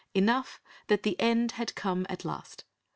Enough that the end had come at last.